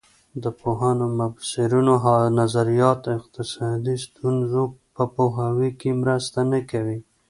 د پوهانو او مبصرینو نظریات اقتصادي ستونزو په پوهاوي کې مرسته نه کوي.